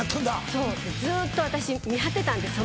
そうずっと私見張ってたんです